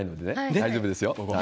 大丈夫ですか？